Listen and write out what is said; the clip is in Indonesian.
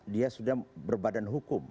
dia sudah berbadan hukum